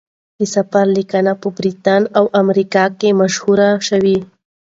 د سفر لیکنې په بریتانیا او امریکا کې مشهورې شوې.